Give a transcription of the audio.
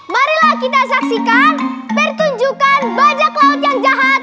marilah kita saksikan pertunjukan bajak laut yang jahat